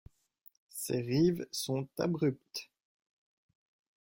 Ses rives sont abruptes.